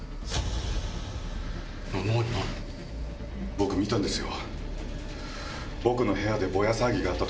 僕見たんですよ。